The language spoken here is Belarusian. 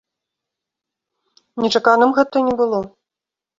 Нечаканым гэта не было.